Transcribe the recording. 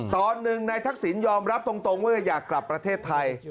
ตอนหนึ่งนายทักษิณยอมรับตรงว่าอยากกลับประเทศไทย